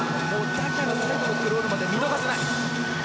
だから、最後のクロールまで見逃せない。